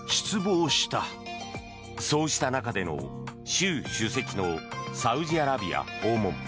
そうした中での習主席のサウジアラビア訪問。